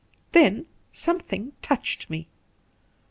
Then something touched me.